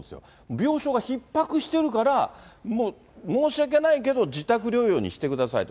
病床がひっ迫してるから申し訳ないけど、自宅療養にしてくださいと。